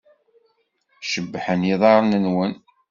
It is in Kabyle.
Cebḥen yiḍarren-nwen.